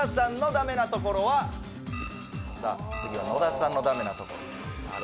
さあ次は野田さんのダメなところです